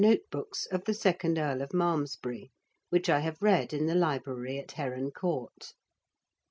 notebooks of the second Earl of Malmesbury, which I have read in the library at Heron Court.